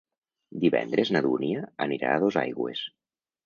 Divendres na Dúnia anirà a Dosaigües.